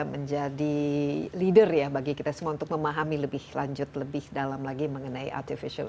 menjadi leader ya bagi kita semua untuk memahami lebih lanjut lebih dalam lagi mengenai artificial